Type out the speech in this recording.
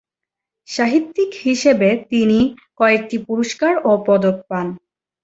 সাহিত্যিক হিসাবে তিনি কয়েকটি পুরস্কার ও পদক পান।